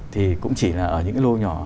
thì cũng chỉ là ở những cái lô nhỏ